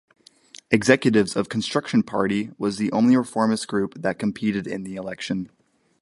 Executives of Construction Party was the only reformist group that competed in the election.